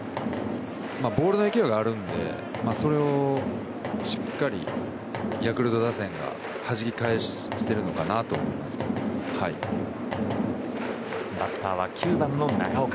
ボールの勢いがあるのでそれをしっかりヤクルト打線がはじき返しているのかなとバッターは９番、長岡。